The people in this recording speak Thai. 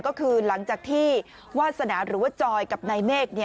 ก็คือหลังจากที่วาสนาหรือว่าจอยกับนายเมฆ